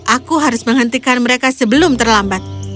aku harus menghentikan mereka sebelum terlambat